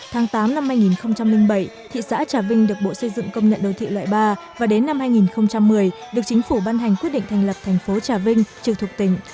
tháng tám năm hai nghìn bảy thị xã trà vinh được bộ xây dựng công nhận đô thị loại ba và đến năm hai nghìn một mươi được chính phủ ban hành quyết định thành lập thành phố trà vinh trực thuộc tỉnh